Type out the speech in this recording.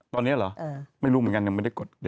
ตอนนี้เหรอไม่รู้เหมือนกันยังไม่ได้กด